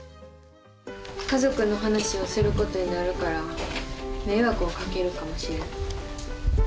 家族の話をすることになるから迷惑をかけるかもしれん。